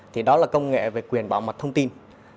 thì đó là công nghệ về quyền bảo mật thông tin